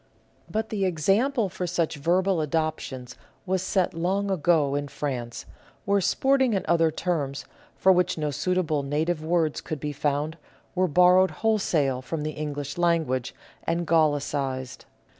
But the example for such verbal adoptions was set long ago in France, where sporting and other terms, for which no suitable native words could be found, were borrowed wholesale from the English language, and gallicised.